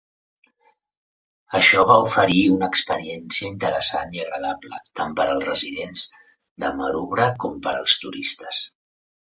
Això va oferir una experiència interessant i agradable tant per als residents de Maroubra com per als turistes.